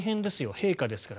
陛下ですから。